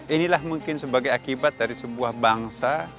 inilah mungkin sebagai akibat dari sebuah bangsa